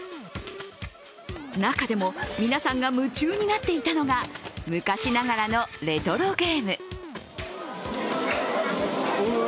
中でも皆さんが夢中になっていたのが、昔ながらのレトロゲーム。